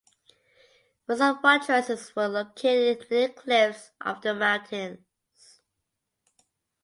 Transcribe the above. Most of the fortresses were located near cliffs of the mountains.